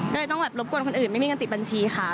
ก็เลยต้องแบบรบกวนคนอื่นไม่มีเงินติดบัญชีค่ะ